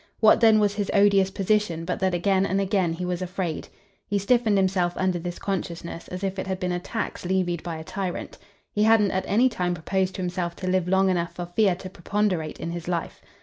What then was his odious position but that again and again he was afraid? He stiffened himself under this consciousness as if it had been a tax levied by a tyrant. He hadn't at any time proposed to himself to live long enough for fear to preponderate in his life.